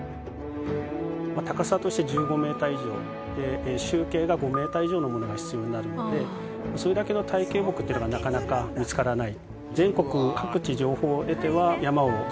高さとして１５メーター以上で周径が５メーター以上のものが必要になるのでそれだけの大径木というのがなかなか見つからない。